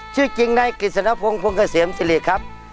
ชื่อจริงในกฤษณภงพลงเกษียมสิริครับ